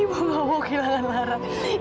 ibu gak mau kehilangan larang